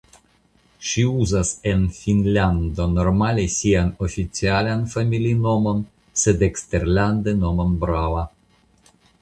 Ŝi uzas en Finnlando normale sian oficialan familinomon sed eksterlande nomon Brava.